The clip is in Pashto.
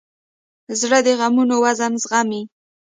زړه د غمونو وزن زغمي.